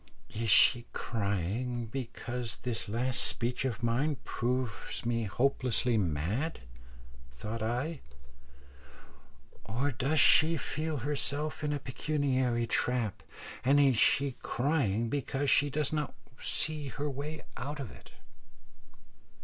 "Is she crying because this last speech of mine proves me hopelessly mad?" thought I; "or does she feel herself in a pecuniary trap, and is she crying because she does not see her way out of it?"